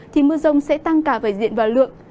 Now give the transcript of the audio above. thì mưa rông sẽ tăng cả về diện và lượng